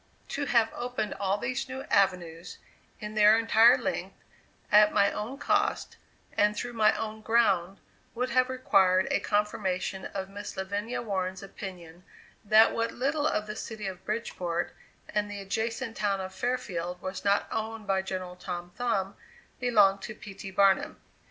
To have opened all these new avenues, in their entire length, at my own cost, and through my own ground, would have required a confirmation of Miss Lavinia Warren's opinion, that what little of the city of Bridgeport and the adjacent town of Fairfield was not owned by General Tom Thumb, belonged to P. T. Barnum.